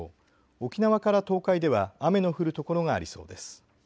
沖縄から東海では雨の降る所がありそうです。